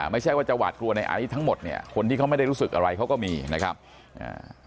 ไม่ใช่ว่าจะหวาดกลัวในอันนี้ทั้งหมดเนี่ยคนที่เขาไม่ได้รู้สึกอะไรเขาก็มีนะครับอ่า